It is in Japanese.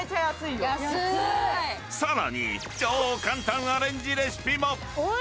更に、超簡単アレンジレシピも。